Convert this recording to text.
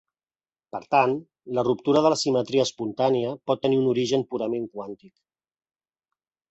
Per tant, la ruptura de la simetria espontània pot tenir un origen purament quàntic.